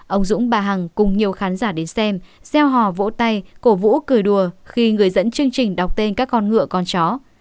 ông dũng bà hằng cùng nhiều khán giả đến xem gieo hò vỗ tay cổ vũ cười đùa khi người dẫn chương trình đọc tên các con ngựa con chó